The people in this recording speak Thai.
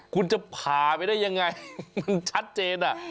คุณจะผ่าไปได้อย่างไรมันชัดเจน